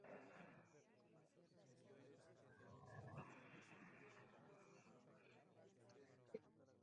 La ruptura de los glóbulos resulta en el colapso circulatorio y shock.